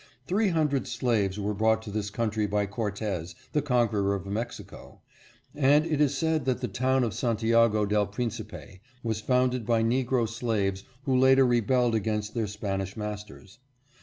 Three hundred slaves were brought to this country by Cortez, the conqueror of Mexico, and it is said that the town of Santiago del Principe was founded by Negro slaves who later rebelled against their Spanish masters.